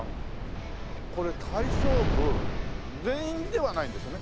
これ体操部全員ではないんですよね？